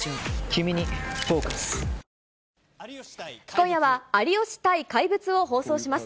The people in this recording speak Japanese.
今夜は、有吉対怪物を放送します。